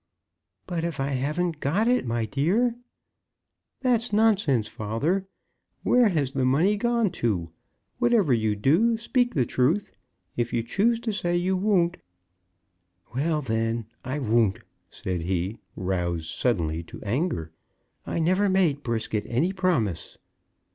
"But if I haven't got it, my dear?" "That's nonsense, father. Where has the money gone to? Whatever you do, speak the truth. If you choose to say you won't " "Well, then, I won't," said he, roused suddenly to anger. "I never made Brisket any promise!"